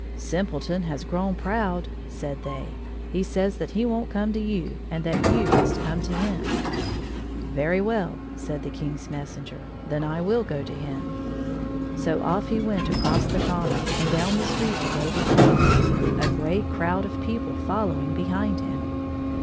" Sim pleton has grown proud," said they; " he says that he won't come to you and that you must come to him." " Very well," said the King's messenger, " then I will go to him." So off he went across the common, and down the street to David's house, a great crowd of peo ple following behind him.